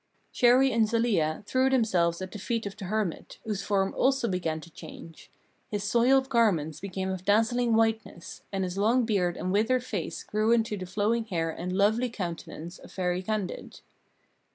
Chéri and Zelia threw themselves at the feet of the hermit, whose form also began to change. His soiled garments became of dazzling whiteness, and his long beard and withered face grew into the flowing hair and lovely countenance of Fairy Candide.